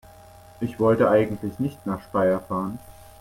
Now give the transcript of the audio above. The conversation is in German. Ich wollte eigentlich nicht nach Speyer fahren